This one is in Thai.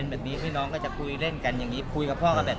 นอกให้คุณนำใจหรือพูดคือยังไงบ้าง